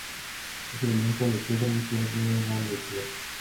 Es el elenco de teatro oficial de la universidad.